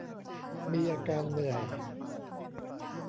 มีอาการเหนื่อย